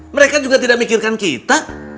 mereka juga tidak mikirkan kita